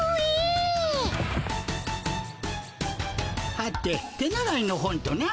はて手習いの本とな？